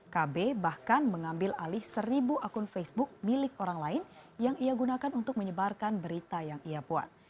kb bahkan mengambil alih seribu akun facebook milik orang lain yang ia gunakan untuk menyebarkan berita yang ia buat